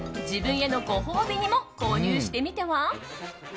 自分へのご褒美にも購入してみては？